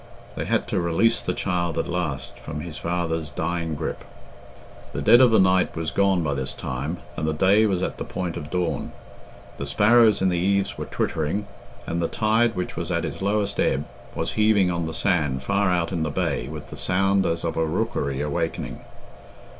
They had to release the child at last from his father's dying grip. The dead of the night was gone by this time, and the day was at the point of dawn; the sparrows in the eaves were twittering, and the tide, which was at its lowest ebb, was heaving on the sand far out in the bay with the sound as of a rookery awakening.